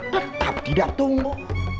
tetap tidak tumbuh